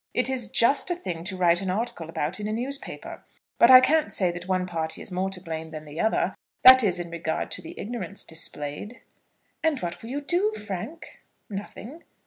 It is just a thing to write an article about in a newspaper; but I can't say that one party is more to blame than the other; that is, in regard to the ignorance displayed." "And what will you do, Frank?" "Nothing."